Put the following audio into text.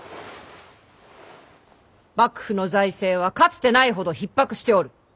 幕府の財政はかつてないほどひっ迫しておる。